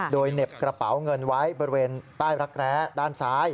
โดยเหน็บกระเป๋าเงินไว้บริเวณใต้รักแร้ด้านซ้าย